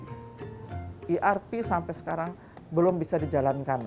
irp sampai sekarang belum bisa dijalankan